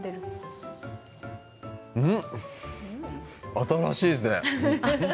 新しいですね